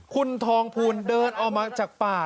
คุณทองภูลเดินออกมาจากป่า